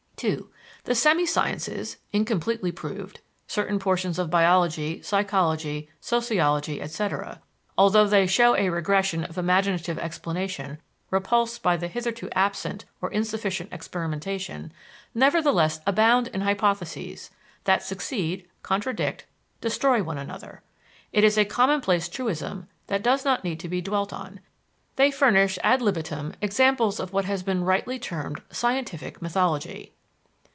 (2) The semi sciences, incompletely proved (certain portions of biology, psychology, sociology, etc.), although they show a regression of imaginative explanation repulsed by the hitherto absent or insufficient experimentation, nevertheless abound in hypotheses, that succeed, contradict, destroy one another. It is a commonplace truism that does not need to be dwelt on they furnish ad libitum examples of what has been rightly termed scientific mythology.